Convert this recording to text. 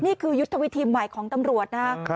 นี่คือยุธวิทีมใหม่ของตำรวจนะครับครับ